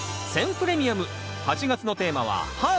プレミアム８月のテーマは「ハーブ」。